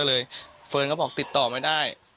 ฟังเสียงลูกจ้างรัฐตรเนธค่ะ